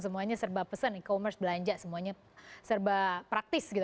semuanya serba pesen e commerce belanja semuanya serba praktis gitu